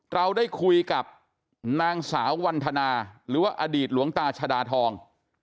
เราได้คุยกับนางสาววันธนาหรือว่าอดีตหลวงตาชดาทอง